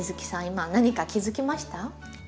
今何か気付きました？